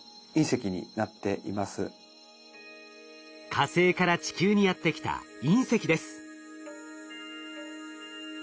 火星から地球にやってきた隕石です。